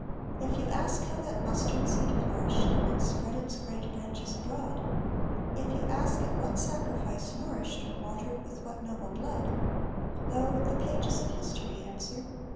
If you ask how that mustard seed flourished, and spread its great branches abroad, If you ask at what sacrifice nourished or watered with what noble blood? Lo! the pages of history answer.